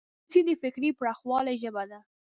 انګلیسي د فکري پراخوالي ژبه ده